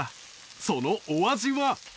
そのお味は？